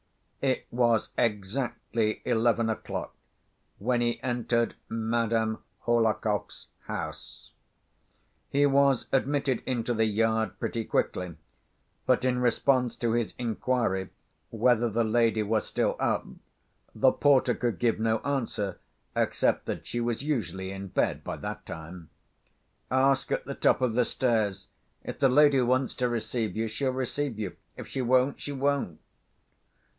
It was exactly eleven o'clock when he entered Madame Hohlakov's house. He was admitted into the yard pretty quickly, but, in response to his inquiry whether the lady was still up, the porter could give no answer, except that she was usually in bed by that time. "Ask at the top of the stairs. If the lady wants to receive you, she'll receive you. If she won't, she won't."